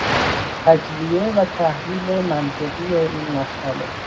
تجزیه و تحلیل منطقی این مسئله